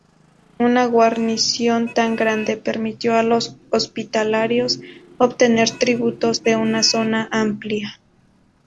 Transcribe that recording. Una guarnición tan grande permitió a los hospitalarios obtener tributos de una zona amplia.